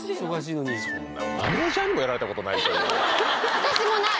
私もない！